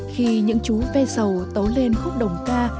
khi những chú ve sầu tấu lên khúc đồng ca